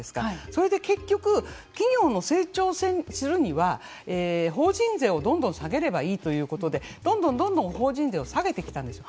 それで結局企業が成長するには法人税を、どんどん下げればいいということでどんどん法人税を下げてきたんです。